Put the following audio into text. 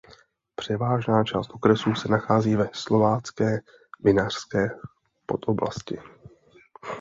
Převážná část okresu se nachází ve Slovácké vinařské podoblasti.